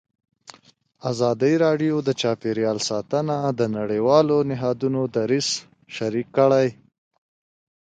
ازادي راډیو د چاپیریال ساتنه د نړیوالو نهادونو دریځ شریک کړی.